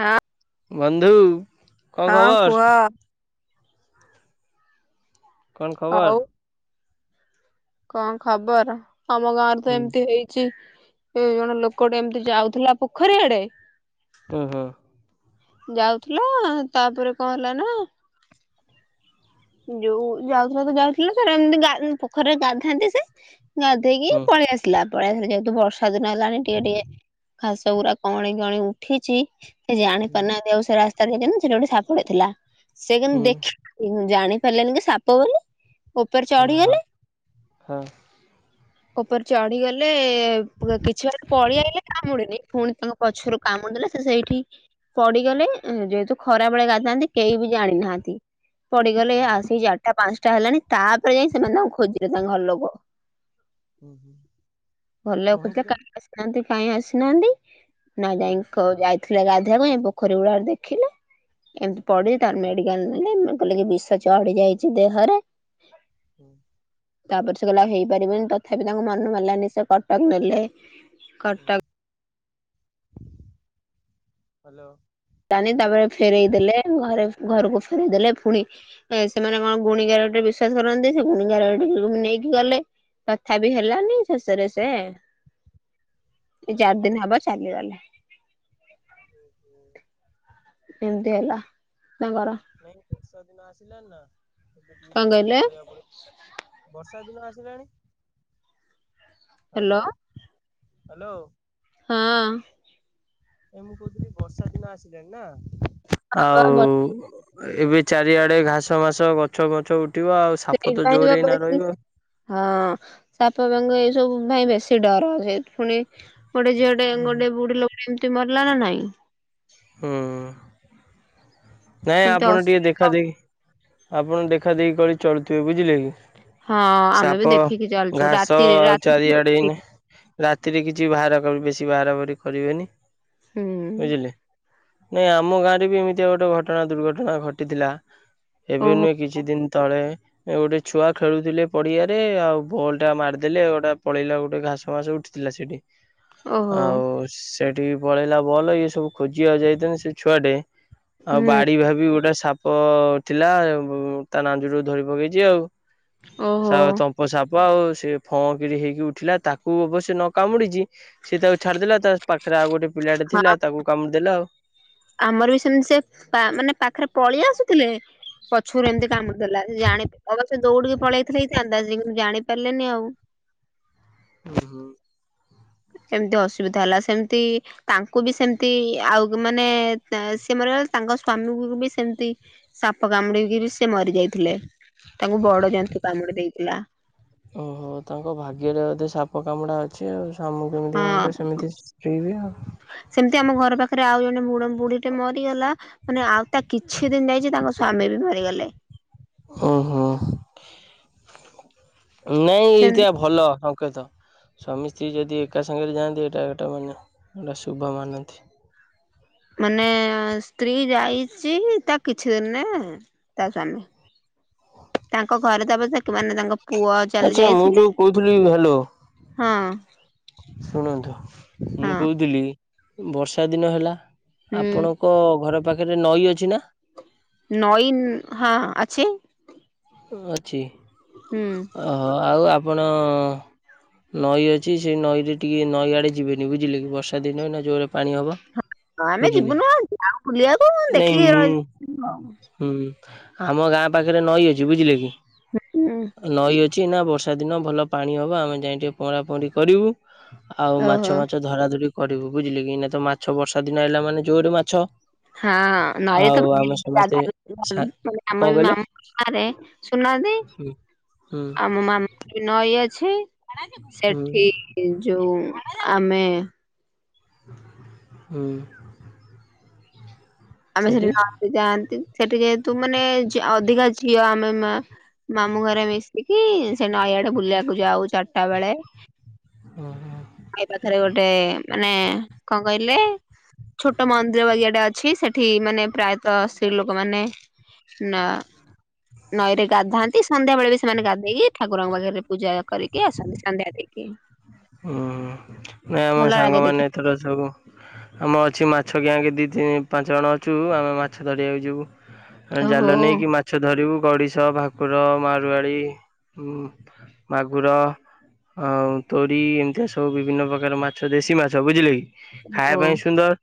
ହଁ। ବନ୍ଧୁ। କଣ ହଁ ଖବର କୁହ? କଣ ହଉ ଖବର? କଣ ଖବର। ଆମ ଗାଁରେ ତ ହୁଁ ଏମିତି ହେଇଚି ଏ ଜଣେ ଲୋକଟେ ଏମିତି ଯାଉଥିଲା ପୋଖରୀ ଆଡେ। ହୁଁ ହୁଁ। ଯାଉଥିଲା ତାପରେ କଣ ହେଲା ନା ଯୋଉ ଯାଉଥିଲା ତ ଯାଉଥିଲା ତ ଏମିତି ପୋଖରୀରେ ଗାଧାନ୍ତି ସେ ଗଧେଇକି ହୁଁ ପଳେଇ ଆସିଲା। ପଳେଇ ଆସିଲେ ଯେହେତୁ ବର୍ଷା ଦିନ ହେଲାଣି ଟିକେ ଟିକେ ଘାସ ଗୁାରା କଅଁଳି କଅଁଳି ଉଠିଚି। ସେ ହୁଁ ଜାଣିପାରୁନାହାନ୍ତି ଆଉ ସେ ରାସ୍ତାରେ ଯାଇଛନ୍ତି। ସେଇଠି ଗୋଟେ ସେପଟେ ଥିଲା। ସେ ହୁଁ କିନ୍ତୁ ହଁ ହଁ। ହୁଁ ହୁଁ ଦେଖିନାହା ଜାଣି ପାରିଲେନି କି ସାପ ବୋଲି। ଉପରେ ଚଢିଗଲେ ଆହା ହଁ। ଉପରେ ଚଢିଗଲେ କିଛି ବ ପଳିଆଇଲେ କାମୁଡିନି। ପୁଣି ତାଙ୍କ ପଛରୁ କାମୁଡି ଦେଲା ସେ ସେଇଠି ପଡିଗଲେ। ଯେହେତୁ ଖରାବେଳେ ଗାଧାନ୍ତି। କେହି ବି ଜାଣି ନାହାନ୍ତି। ପଡିଗଲେ ଆସିିକି ଚାରିଟା ପାଞ୍ଚଟା ହେଲାଣି। ତାପରେ ଯାଇ ସେମାନେ ତାଙ୍କୁ ଖୋଜିଲେ ତାଙ୍କ ଘର ଲୋକ। ଘର କଣ ଲୋକ ଖୋଜିଲେ ହେଇଛି କାଇଁ ତାପରେ? ଆସିନାହାନ୍ତି କାଇଁ ଆସିନାହାନ୍ତି। ନା ଯାଇ କ ଯାଇଥିଲେ ଗଧେଇଆକୁ ଯାଇ ପୋଖରୀ ହୁଡାରେ ଦେଖିଲେ। ଏମିତି ପଡି ତାର ନେଡି କାଲ ନେଲେ କହିଲେ କି ବିଷ ଚଢି ଯାଇଛି ଦେହରେ। ହଁ। ତାପରେ ସେ କହିଲଲେ ଆଉ ହେଇପାରିବନି। ତଥାପି ତାଙ୍କ ମନ ମାରିଲାନି ସେ କଟକ ନେଲେ। କଟକ। ହାଲୋ। [inaudible] ତାପରେ ଫେରେଇ ଦେଲେ। ଘରେ ଘରକୁ ଫେରଇ ଦେେଲେ। ପୁଣି ସେମାନେ କଣ ଗୁଣି ଗାରେଡ଼ି ରେ ବି ବିଶ୍ୱାସ କରନ୍ତି। ସେ ଗୁଣି ଗରେଡିକୁ ନେଇକି ଗଲେ। ତଥା ବିି ହେଲାନି। ଶେଷରେ ସେ ଏ ଚାରି ଦିନ ହବ ଚାଲିଗଲେ। ହୁଁ। ଏମିତି ହେଲା ତାଙ୍କର। ନାଇଁ ବର୍ଷା ଦିନ ଆସିଲାଣି ନା ଏବେ ଟିକେ କଣ ଦେଖିକି କହିଲେ ଚଳିବାକୁ ପଡ଼ିବ। ବର୍ଷ ବର୍ଷା ଦିନ ଆସିଲାଣି। Hello hello hello. ହଁ। ଏ ମୁଁ କହୁଥିଲି ବର୍ଷା ଦିନ ଆସିଲାଣି ନା ହଁ ଆଉ ଏବେ ଚାରିଆଡେ ଘାସ ମାସ ଗଛ ଫଛ ଉ [inaudible] ହଁ। ସାପ, ବେଙ୍ଗ ଏସବୁ ପାଇଁ ବେଶୀ ଡର। ପୁଣି ଗୋଟେ ଝିଅ ଟେ ଗୋଟେ ବୁଢ଼ୀ ଲୋକ ରେ ଏମିତି [inaudible] ମାରିଲା ନା ନାଇଁ? ହୁଁ। ନାଇଁ ସେମିତି ଆପଣ ଟିକେ ଅସୁବିଧା ଦେଖା ଦେଖି ଆପଣ ଦେଖା ଦେଖି କରି ଚଳୁଥିବେ ବୁଝିଲେ କି? ହଁ ଆମେ ବି ସାପ, ଦେଖିକି ଚାଲିଛୁ ଘାସ ରାତିରେ ଆଉ ରାତି ଚାରିଆଡେ ଏଇନେ। ରାତିରେ କିଛି ବାହାର କ ବେଶି ବାହାର ବାହାରି କରିବେନି। ହୁଁ ବୁଝିଲେ। ନାଇଁ ଆମ ଗାଁରେ ବି ଏମିତିଆ ଗୋଟେ ଘଟଣା ଦୁର୍ଘଟଣା ଘଟିଥିଲା। ଏବେ ଓହୋ ନୁହେଁ କିଛି ଦିନ ତଳେ ଗୋଟେ ଛୁଆ ଖେଳୁଥିଲେ ପଡିଆରେ। ଆଉ ବଲ୍ ଟା ମାରିଦେଲେ ଗୋଟେ ପଳେଇଲା ଗୋଟେ ଘାସ ଫାସ ଉଠି। ଥିଲା ସେଇଠି। ଓହୋ ଆଉ ସେଠି ପଳେଇଲା ବଲ। ଇଏ ସବୁ ଖୋଜିିବାକୁ ଯାଇଛନ୍ତି। ସେ ଛୁଆ ଟେ। ଆଉ ହୁଁ ବାଡି ଭାବି ଗୋଟେ ସାପ ପ ଥିଲା। ତା ନାଞ୍ଜରୁ ଧରି ପକେଇଛି ଆଉ। ଓହୋ ତମ୍ପ ସାପ ଆଉ। ସେ ଫଁ କିରି ହେଇକି ଉଠିଲା। ତାକୁ ଅବଶ୍ୟ ନ କାମୁଡିଛି। ସେ ତାକୁ ଛାଡିଦେଲା। ତା ପାଖରେ ଆଉ ଗୋଟେ ପିଲାଟେ ହଁ ଥିଲା ତାକୁ କାମୁଡିଦେଲା ଆଉ। ଆମର ବି ସେମିତି ସେ ମାନେ ପାଖରେ ପଳେଇ ଆସୁଥିଲେ। ପଛରୁ ଏମିତି କାମୁଡ଼ି ଦେଲା ସେ ଜାଣି ସେ ଦୌଡିକି ପଳେଇଥିଲେ ଏଇ ଅନ୍ଦାଜ ସେ କିନ୍ତୁ ଜାଣି ପାରିଲେନି ଆଉ। ହୁଁ ହୁଁ। ଏମତି ଅସୁବିଧା ହେଲା ସେମିତି ତାଙ୍କୁ ବି ସେମତି ଆଉ ମାନେ ସେମାନେ ତାଙ୍କ ସ୍ଵାମୀ ବି ସେମିତି ସାପ କାମୁଡିକି ବି ସେ ମରି ଯାଇଥିଲେ। ତାଙ୍କୁ ବଡ ଜନ୍ତୁ କାମୁଡି ଦେଇଥିଲା। ଓହୋ ତାଙ୍କ ଭାଗ୍ୟରେ ବୋଧେ ସାପ କାମୁଡା ଅଛି ଆଉ। ଆମ କେମିତି ହଁ ମିଳିଲେ ସେମିତି ସ୍ତ୍ରୀ ବି ଆଉ। ମେ ବୁଡିକି ବୁଢ ଟେ ମରିଗଲା ମାନେ ଆଉ ତା କିଛି ଦିନ ଯାଇଛି ତାଙ୍କ ସ୍ଵାମୀ ବି ମରିଗଲେ। ଓହୋ ନାଇଁ ସେମ ଏଆ ଭଲ। କେଦ ସ୍ୱାମୀ ସ୍ତ୍ରୀ ଯଦି ଏକା ସାଙ୍ଗରେ ଯାଆନ୍ତି ଏଇଟା ଏଟା ମାନେ ଗଟା ଶୁଭ ମାନନ୍ତି। ମାନେ ସ୍ତ୍ରୀ ଯାଇଛି ତା କିଛି ଦିନ ନା ତ ସା ତାଙ୍କ ଘରେ ତବ ସେ ମାନେ ତାଙ୍କ ପୁଅ ଚାଲି ଆଚ୍ଛା ମୁଁ ଯୋଉ ଯାଇଥିଲେ କହୁଥିଲି ହ୍ୟାଲୋ ହଁ। ଶୁଣନ୍ତୁ। ହଁ ମୁଁ କହୁଥିଲି ବର୍ଷାଦିନ ହେଲା ହୁଁ ଆପଣଙ୍କ ଘର ପାଖରେ ନଈ ଅଛି ନା? ନଈ ନ ହଁ ଅଛି। ଉଁ ଅଛି। ହୁଁ ଓହୋ ଆଉ ଆପଣ ନଈ ଅଛି ସେଇ ନଈରେ ଟିକେ ନଈ ଆଡେ ଯିବେନି ବୁଝିଲେ କି, ବର୍ଷା ଦିନ ନା ଜୋର ପାଣି ହବ ହଁ ଆମେ ବୁଝିଲେ ଯିବୁନୁ ଆଉ ଯାଉ ବୁଲିବାକୁ ନାଇଁ ଦେଖିକି ମୁଁ ରହି ହୁଁ ଆମ ଗାଁ ପାଖରେ ନଈ ଅଛି, ବୁଝିଲେ କି? ହୁଁ ନଈ ଅଛି ନା ବର୍ଷା ଦିନ ଭଲ ପାଣି ହବ ଆମେ ଯାଇଁ ଟିକେ ପହଁରା ପହଁରି କରିବୁ ଆଉ ଓହୋ ମାଛ ମାଛ ଧରା ଧରି କରିବୁ ବୁଝିଲେ କି, ଏଇନା ତ ମାଛ ବର୍ଷା ଦିନ ଆଇଲା ମାନେ ଜୋରେ ମାଛ ଆଉ ଆମେ ସମସ୍ତେ ସା କଣ କହିଲେ [unintelligible] ହୁଁ। ହୁଁ ଆମ ମାମାରେ ବି ନଈ ଅଛି ହୁଁ ସେଠି ଯୋଉ ଆମେ ହୁଁ। ଆମେ ସେଠି ନଈକି ଯାଆନ୍ତି, ସେଠି ଯେହେତୁ ମାନେ ଅଧିକା ଝିଅ ଆମେ ମା ମାମୁଁ ଘରେ ମିଶିକି ସେ ନଈଆଡେ ବୁଲିବାକୁ ଯାଉ ଚାରିଟା ବେଳେ ଓହୋ। ନଈ ପାଖରେ ଗୋଟେ ମାନେ କଣ କହିଲେ ଛୋଟ ମନ୍ଦିର ବାଗିଆଟେ ଅଛି, ସେ ଠି ମାନେ ପ୍ରାୟତଃ ସ୍ତ୍ରୀ ଲୋକମାନେ ନା ନଈରେ ଗାଧାନ୍ତି, ସନ୍ଧ୍ୟାବେଳେ ବି ସେମାନେ ଗାଧେଇକି ଠାକୁରଙ୍କ ପାଖରେ ପୂଜା କରିକି ଆସନ୍ତି, ସନ୍ଧ୍ୟା ଦେଇକି। ହୁଁ ହୁଁ ନାଇଁ ଆମ ଭଲ ଲାଗେ ସାଙ୍ଗମାନେ ଦେଖିବାକୁ ଏଥର ସବୁ ଆମ ଅଛି ମା ମାଛ ଗ୍ୟାଙ୍ଗ ଦି ତିନି ପାଞ୍ଚ ଜଣ ଅଛୁ, ଆମେ ମାଛ ଧରିବାକୁ ଯିବୁ। ଆମେ ଓହୋ ଜାଲ ନେଇକି ମାଛ ଧରିବୁ ଗଡିଶ, ଭାକୁର, ମାରୁଆଳି, ଉମ୍ ମାଗୁର ଆଉ ତୋରି ଏମିତିଆ ସବୁ ବିଭିନ୍ନ ପ୍ରକାର ମାଛ ଦେଶୀ ମାଛ, ବୁଝିଲେ କି ଖାଇବା ଓହୋ ପାଇଁ ସୁନ୍ଦର,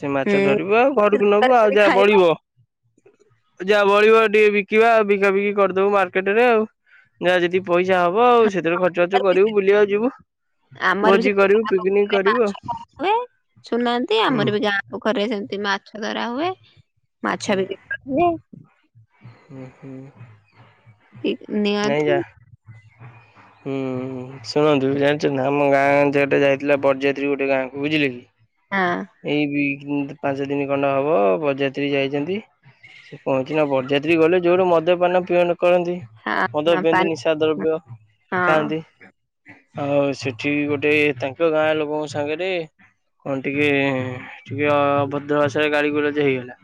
ସେ ହୁଁ ମାଛ ଧରିବ ଆଉ ଘରକୁ ନବୁ, ଆଉ ତରକାରୀ ଯାହା ଖାଇବା ବଳିବ ଯାହା ବଳିବ ଟିକେ ବିକିବା, ବିକା ବିକି କରିଦବୁ ମାର୍କେଟରେ ଆଉ। ଯାହା ଯେତିକି ପଇସା ହବ ଆଉ। ସେଥିରେ ଖର୍ଚ୍ଚ ବାର୍ଚ୍ଚ ତରକାରୀ କରିବୁ ବୁଲିବାକୁ ଯିବୁ ଆମର ବି ଭୋଜି ସେମିତି କରିବୁ ଗାଁ ପିକନିକ ପୋଖରୀରେ କରିବୁ ଆଉ ମାଛ ଧରାହୁଏ ଶୁଣୁନାହାଁନ୍ତି, ହୁଁ। ଆମର ବି ଗାଁ ପାଖରେ ସେମିତି ମାଛ ଧରା ହୁଏ, ମାଛ ବି ବିକ୍ରି ହୁଏ ଉ ହୁଁ। ଇ ନିହାତି ହ ହୁଁ ହୁଁ ଶୁଣନ୍ତୁ ଜାଣିଛନ୍ତି ଆମ ଗାଁ ଝିଅଟେ ଯାଇଥିଲା ବରଯାତ୍ରୀ ଗୋଟେ ଗାଁକୁ, ବୁଝିଲେ କି? ହଁ ଏଇ ଦି ପାଞ୍ଚ ଦିନି ଖଣ୍ଡେ ହବ ବରଯାତ୍ରୀ ଯାଇଚନ୍ତି ସେ କଣ ହେଇଚି ନା, ବରଯାତ୍ରୀ ଗଲେ ଜୋର ମଦ୍ୟପାନ ପିଅନ କରନ୍ତି ହଁ ମଦ ହଁ ପିଅନ୍ତି, ପାଣି ନିଶା ଦ୍ରବ୍ୟ ହଁ ଖାଆନ୍ତି, ଆଉ ସେଠ ଠି ବି ଗୋଟେ ତାଙ୍କ ଗାଁ ଲୋକଙ୍କ ସାଙ୍ଗରେ କଣ ଟିକେ ଟିକେ ଟିକେ ଅଭଦ୍ର ଭାଷାରେ ଗାଳି ଗୁଲଚ ହେଇଗଲା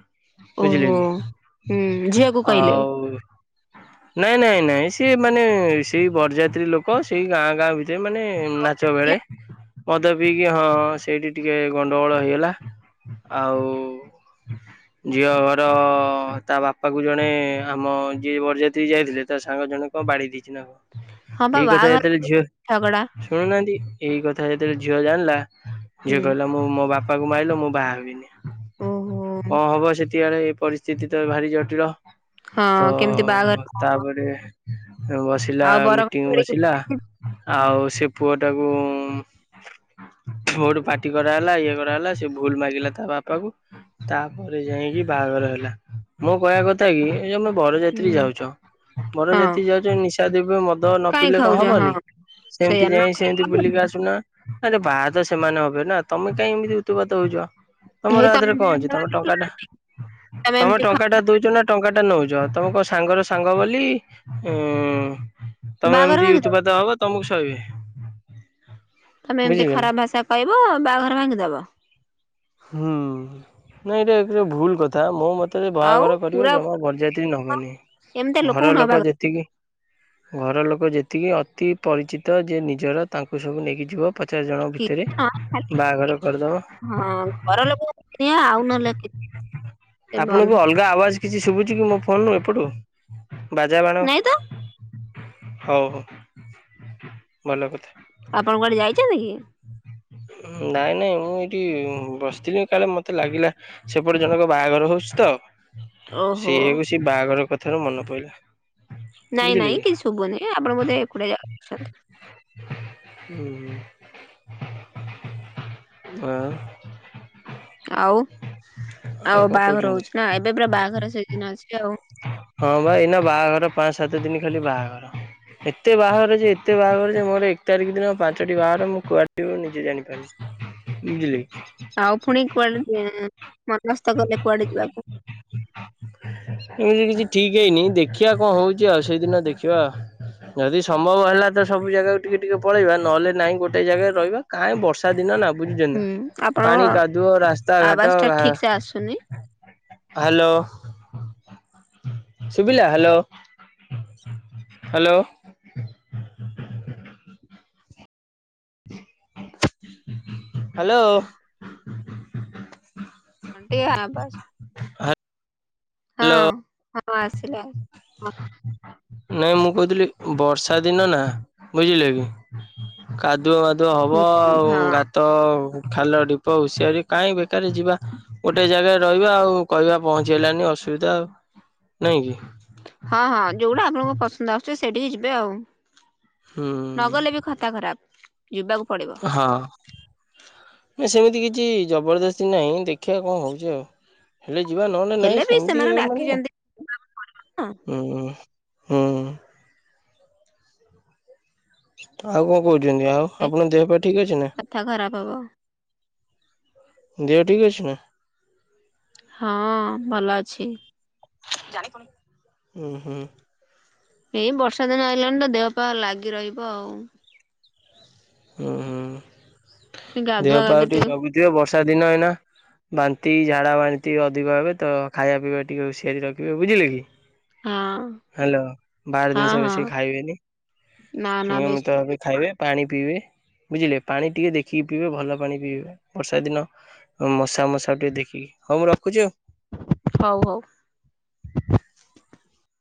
ବୁଝିଲେ ଓହୋ କି? ହୁଁ ଝିଅକୁ କହିଲେ ଆଉ ନାଇଁ ନାଇଁ ନାଇଁ ସିଏ ମାନେ ସେଇ ବରଯାତ୍ରୀ ଲୋକ ସେଇ ଗାଁ ଗାଁ ଭିତ ରେ ମାନେ ନାଚ ବେଳେ ମଦ ପିଇକି ହଁ ସେଇଠି ଟିକେ ଟିକେ ଗଣ୍ଡଗୋଳ ହେଇଗଲା ଆଉ ଝିଅ ଘର ତା ବାପାକୁ ଜଣେ ଆମ ଯିଏ ବରଯାତ୍ରୀ ଯାଇଥିଲେ ତା ସାଙ୍ଗ ଜଣେ କଣ ବାଡେଇ ଦେଇଚି ନା କଣ? ହଁ ବା ଏଇ କଥା ବାହାଘର ଯେତେବେଳେ ଝିଅ, ଝଗଡା ଶୁଣୁନାହାଁନ୍ତି ଏଇ କଥା ଯେତେବେଳେ ଝିଅ ଜାଣିଲା ଝିଅ ହୁଁ କହିଲା ମୁଁ ମୋ ବାପା କୁ ମାରିଲୁ ମୁଁ ବାହା ହେବିନି। ଓହୋ କଁ ହବ ସେତିକାବଳେ ଏଇ ପରିସ୍ଥିତି ତ ଭାରି ଜଟିଳ। ହଁ ତ କେମିତି ବାହାଘର ହବ ତାପରେ ବସିଲା ଆଉ ବର ମିଟିଂ କଣ ଧରିକି ବସିଲା ଆଉ। ସେ ପୁଅ ଟାକୁ ଭର ପାାର୍ଟି କରାହେଲା ଇଏ କରାହେଲା ସେ ଭୁଲ ମାଗିଲା ତା ବାପାକୁ ତାପରେ ଯାଇକି ବାହାଘର ହେଲା। ମୁଁ କହିବା କଥା କି ଆମେ ହୁଁ ବରଯାତ୍ରୀ ଯାଉଛ ହଁ ବରଯାତ୍ରୀ ଯାଉଛ ନିଶା ଦବ୍ୟ ମଦ ମଦ ନ କାଇଁ ପିିଲଲେ କଣ ଖାଉଛ ହଁ ହବନି ସେମିତି ସେଇଆ ନ ଯାଇ ଖାଇଲେ ସେମିତି ବୁଲିକି ହବନି ଆସୁନା। ଆରେ ବାହାତ ସେମାନେ ହବେ ନା ତମେ କାଇହିଁ ଏମିତି ଉତୁ ପାତ ହଉଛ। ତମର ହେଇ ତମେ ଆଥେର କଣ ଅଛି ବାହାଘର ତମେ ଟଙ୍କା ଭାଙ୍ଗିଦେଲ? ଟା ତମେ ଏମିତି ଖା ଟଙ୍କା ଟା ଦଉଛ ନା ଟଙ୍କାଟା ଟା ନଉଛ ତମ କ ସାଙ୍ଗର ସାଙ୍ଗ ବୋଲି ଉ ତମେ ବାହାଘର ଏମିତି ଭାଙ୍ଗିଦବ। ଉତୁପାତ ହବ ତମକୁ ଶହିବେ। ତମେ ଏମତି ଖରାପ ଭାଷା କହିବ ବାହାଘର ଭାଙ୍ଗିଦବ। ହୁଁ ନାଇଁ ଏଇଟାଟେ ଭୁଲ କଥା ମୋ ମତେ ତେ ଆଉ ବାହାଘର କରିବ ପୁରା ଜମା ବରଯାତ୍ରୀ ନବନି ଏମିତି ଲୋକଙ୍କୁ ଘର ନବା ଲୋକ ଯେତିକି ଘର ଲୋକ ଯେତିକି ଅତି ପରିଚିତ ଯେ ନିଜର ତାଙ୍କୁ ସବୁ ନେଇକି ଯିବ ପଚାଶ ଜଣଙ୍କ କି ଭିତରେ ବାହାଘର କରିଦେବ। ଘରଲୋକଙ୍କୁ ନିଅ ଆଉ ନହେଲେକି ସେ ଆପଣଙ୍କୁ ବନ୍ଧୁ ଅଲଗା ଆବାଜ କିଛି ଶୁଭୁଛି କି ମୋ ଫୋନ୍ରରୁ ଏପଟୁ ବାଜା ବାଣ? ନାଇଁ ତ ହଉ ହଉ ଭଲ କଥା। ଆପଣଙ୍କ କୁଆଡେ ଯାଇଛନ୍ତିଛନ୍ତି କି? ନାଇଁ ନାଇଁ ମୁଁ ଏଇଠି ବସିଥିଲି କାଳେ ମତେ ଲାଗିଲା ସେପଟେ ଜଣକ ବାହାଘର ହଉଛି। ତ ଓହୋ ସେଇକୁ ସେ ବାହାଘର କଥାର ମନେ ପଡିଲା। ନାଇଁ ନାଇଁ କିଛି ଶୁଭୁନହିଁ ଆପଣ ବୋଧେ ଏକୁଟି ଯାଗାରେ ଅଛନ୍ତି ହୁଁ। ଆଁ। ଆଉ ଆଉ ବାହାଘର କହୁଛନ୍ତି? ହଉଛି ନା ଏବେ ପୁରା ବାହାଘର ସେଦିନ ଅଛି ଆଉ। ହଁ ଵାଏଇନା ବାହାଘର ପାଞ୍ଚ ସାତ ଦିନ ଖାଲି ବାହାଘର। ଏତେ ବାହାଘର ଯେ ଏତେ ବାହାଘର ଯେ ମୋର ଏକ ତାରିଖ ଦିନ ପାଞ୍ଚଟି ବାହାଘ ମୁଁ କୁଆଡେ ଯିବି ନିଜେ ଜାଣିପାରୁନି। ବୁଝିଲି। ଆଉ ପୁଣିି କୁଆଡେ ହେଁ। ମନସ୍ତ୍ କଲେ କୁଆଡେ ଯିବାକୁ। ଏମିତି କିଛି ଠିକ୍ ହେଇନି ଦେଖିବା କଣ ହେଉଛି ଆଉ ସେଇଦିନ ଦେଖିବା। ଯଦି ସମ୍ଭବ ହେଲା ତ ସବୁ ଜାଗାକୁ ଟିକେ ଟିକେ ପଳେଇବା ନହେଲେ ନାଇଁ ଗୋଟେ ଜାଗାରେ ରହିବା କାହିଁ ବର୍ଷା ଦିନ ନା ବୁଝୁଛନା ହୁଁ ଆପଣଙ୍କ ପାଣି କାଦୁଅ ରାସ୍ତା ଘାଟ ଆବାଜ ଟା ଠିକ ସେ ଆସୁନି ହ୍ୟାଲୋ ସୁବିଲ ହ୍ୟାଲୋ। ହ୍ୟାଲୋ। ହ୍ୟାଲୋ। ଟିକେ ଆବଜ୍। ହ୍ୟାଲୋ ହଁ ହଁ ଆସିଲ ଆ ନାଇଁ ମୁଁ କହୁଥିଲି ବର୍ଷା ଦିନ ନା ବୁଝିଲେ କି କା ଧୁଆ ମାଧୁଅ ହବ ହଁ ଆଉ ହଁ ଗାତ। ଖାଲ ଢିପ ହୁଷିଆରି କାହିଁ ବେକାର ଯିବା ଗୋଟେ ଜାଗାରେ ରହିବା ଆଉ କହିବା ପହଚିହେଲାନି ଅଶୁ ଅସବିଧା ଆଉ ନାଇଁ କି? ହଁ ହଁ ଯୋଉଟା ଆପଣଙ୍କୁ ପସନ୍ଦ ଆସୁଛି ସେଇଠିକି ଯିବେ ଆଉ। ହୁଁ ନଗଲେ ବି ଖଥା ଖରାପ ଯିବାକୁ ପଡିବ। ହଁ ନା ସେମିତି କିଛି ଜବରଦସ୍ତି ନାହିଁ ଦେଖିବା କଣ ହେଉଛି ଆଉ। ହେଲେ ଯିବା ନହେଲେ ନାଇଁ ହେଲେ ବି ସେମିତି ସେମାନେ ମାନେ ଡାକିଛନ୍ତି ନା ହୁଁ। ହୁଁ। ଆଉ କଣ କହୁଛନ୍ତି ଆଉ ଆପଣଙ୍କ ଦେହ ପାଇଁ ଠିକ ଅଛି ନା? କଥା ଖରାପ ହବ ଦେହ ଠିକ ଅଛ ନା? ହଁ ଭଲ ଅଛି। ହୁଁ ହୁଁ। ଏଇ ବର୍ଷା ଦିନ ଆଇଲାଣି ତ ଦେହ ପା ଲାଗି ରହିବ ଆଉ। ହୁଁ ଗାଧୁଆ ଗାଧୁ ଦେହପାଉ ଟିକେ ଜଗୁଥିବ ବର୍ଷା ଦିନ ଏ ବାନ୍ତି ଝାଡା ବାନ୍ତି ଅଧିକ ହେବେ ତ ଖାଇବା ପିଇବା ଟିକେ ହୁସିିଆରି ରଖିବେ ବୁଝିଲେ କି? ହଁ ହ୍ୟାଲୋ ବାହାର ହଁ ଜିନିଷ ହଁ ବେଶୀ ଖାଇବେନି। ନା ନା ବେଶୀ ନିୟମିତ ଭାବେ ଖାଇବେ ପାଣି ପିଇବେ। ବୁଝିଲେ ପାଣି ଟିକେ ଦେଖିକି ପିଇବେ ଭଲ ପାଣି ପିଇବେ ବର୍ଷା ଦିନ ମଶା ମଶା ଟିକେ ଦେ ହଉ ମୁଁ ରଖୁଚି ଆଉ? ହଉ ହଉ। [inaudible]